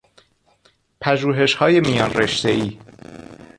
پژوهشهای میانرشتهای